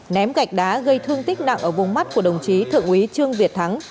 ném gạch đá gây thương tích nặng ở vùng mắt của đồng chí thượng úy trương việt thắng